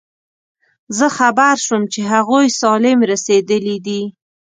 زه خبر شوم چې هغوی سالم رسېدلي دي.